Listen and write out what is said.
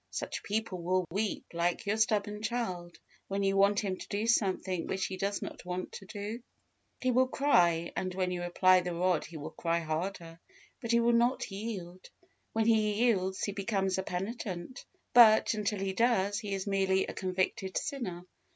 Such people will weep like your stubborn child, when you want him to do something which he does not want to do. He will cry, and when you apply the rod he will cry harder, but he will not yield. When he yields, he becomes a penitent; but, until he does, he is merely a convicted sinner.